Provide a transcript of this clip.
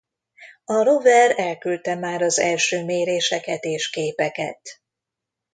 A rover elküldte már az első méréseket és képeket.